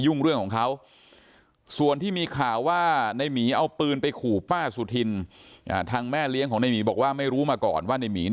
แล้วทำไมเขาถึงไม่อยากอยู่ที่นี่หรือว่าไง